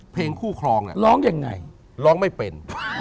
เพลงคู่ครองร้องยังไงร้องไม่เป็น